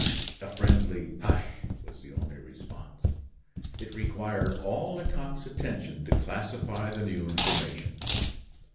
A friendly "hush!" was the only response. It required all Lecoq's attention to classify this new information.